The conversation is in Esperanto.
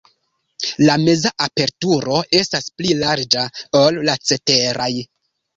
La meza aperturo estas pli larĝa, ol la ceteraj.